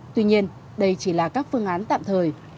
tuy nhiên đây chỉ là các phương án tạm thời